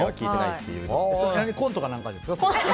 コントか何かですか？